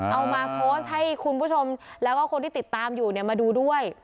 เอามาโพสต์ให้คุณผู้ชมแล้วก็คนที่ติดตามอยู่เนี่ยมาดูด้วย